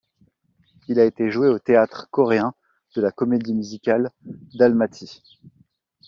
Il a été joué au Théâtre coréen de la comédie musicale d'Almaty.